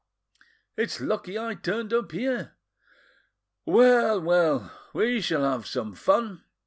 It's lucky I turned up here! Well, well, we shall have some fun!